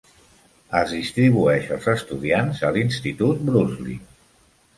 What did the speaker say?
Es distribueix els estudiants a l'Institut Brusly.